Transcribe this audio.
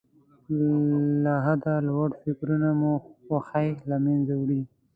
له حده لوړ فکرونه مو خوښۍ له منځه وړي.